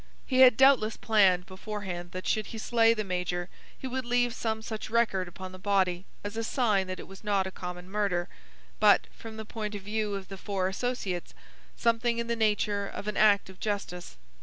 He had doubtless planned beforehand that should he slay the major he would leave some such record upon the body as a sign that it was not a common murder, but, from the point of view of the four associates, something in the nature of an act of justice.